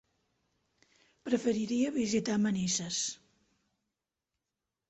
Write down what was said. Preferiria visitar Manises.